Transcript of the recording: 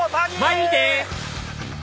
前見て！